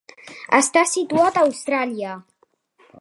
Està situat a Austràlia.